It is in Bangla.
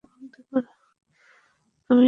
আমি এসব আর সহ্য করতে পারছি না।